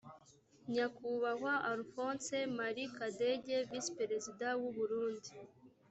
nyakubahwa alphonse marie kadege visi perezida w u burundi